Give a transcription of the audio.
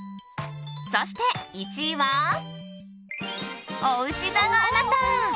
そして１位はおうし座のあなた。